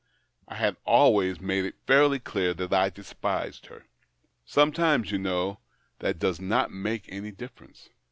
I had always made it fairly clear that I despised her." " Sometimes, you know, that does not make any difference."